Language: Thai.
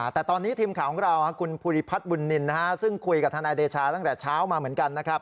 แต่ตอนนี้ทีมข่าวของเราคุณภูริพัฒน์บุญนินซึ่งคุยกับทนายเดชาตั้งแต่เช้ามาเหมือนกันนะครับ